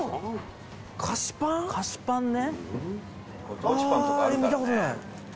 菓子パンね。